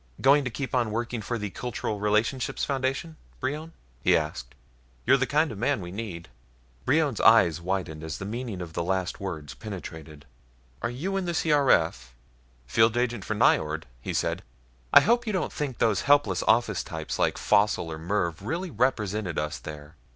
"Going to keep on working for the Cultural Relationships Foundation, Brion?" he asked. "You're the kind of man we need." Brion's eyes widened as the meaning of the last words penetrated. "Are you in the C.R.F.?" "Field agent for Nyjord," he said. "I hope you don't think those helpless office types like Faussel or Mervv really represented us there?